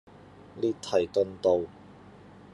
列堤頓道